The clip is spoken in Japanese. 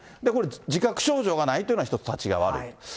自覚症状がないっていうのが、一つ、たちが悪い。